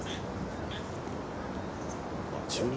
中日